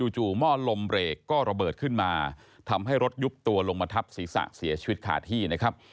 หม้อลมเบรกก็ระเบิดขึ้นมาทำให้รถยุบตัวลงมาทับศีรษะเสียชีวิตคาที่นะครับ